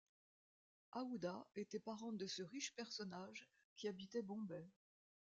Aouda était parente de ce riche personnage qui habitait Bombay.